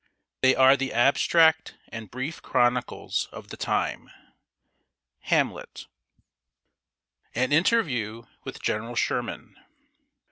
They are the abstract and brief chronicles of the time. HAMLET. [Sidenote: AN INTERVIEW WITH GENERAL SHERMAN.